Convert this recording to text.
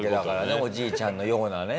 おじいちゃんのようなね。